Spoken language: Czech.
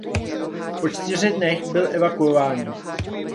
Po čtyřech dnech byli evakuováni.